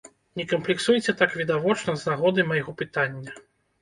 Не камплексуйце так відавочна з нагоды майго пытання.